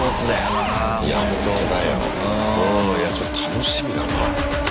うんいやちょっと楽しみだな。